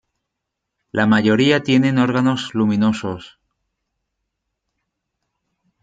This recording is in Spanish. La mayoría tienen órganos luminosos.